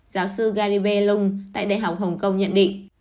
giáo sư gary b lung tại đại học hồng kông nhận định